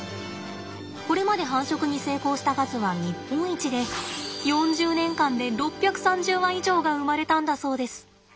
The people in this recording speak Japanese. これまで繁殖に成功した数は日本一で４０年間で６３０羽以上が生まれたんだそうです。